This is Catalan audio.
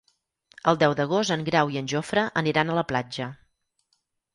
El deu d'agost en Grau i en Jofre aniran a la platja.